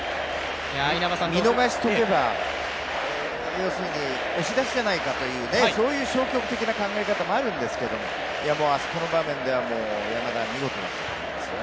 見逃しておけば押し出しではないかというそういう消極的な考えもあるんですけどあそこの場面では山田は見事でしたね。